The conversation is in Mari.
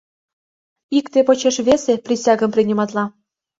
...Икте почеш весе присягым приниматла.